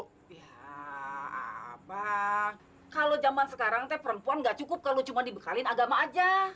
ya bang kalau zaman sekarang teh perempuan nggak cukup kalau cuma dibekalin agama aja